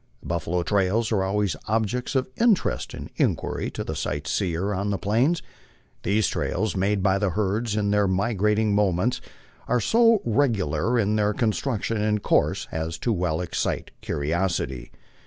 The buffalo trails are always objects of interest and inquiry to the sight seer on the Plains. These trails made by the herds in their migrating movements are so regular in their construction and course as to well excite curiosity.